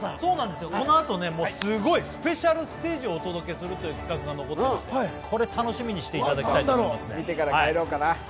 このあと、すごいスペシャルステージをお届けするという企画が残ってまして、これ、楽しみにしていただきたいと思いますね。